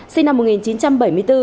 sinh năm một nghìn chín trăm bảy mươi bốn